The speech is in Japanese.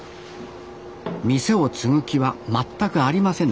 店を継ぐ気は全くありませんでした